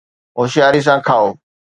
هوشياري سان کائو